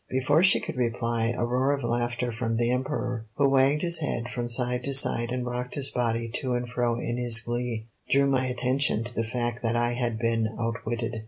Before she could reply, a roar of laughter from the Emperor, who wagged his head from side to side and rocked his body to and fro in his glee, drew my attention to the fact that I had been outwitted.